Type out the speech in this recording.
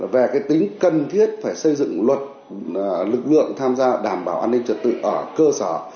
về cái tính cần thiết phải xây dựng luật lực lượng tham gia đảm bảo an ninh trật tự ở cơ sở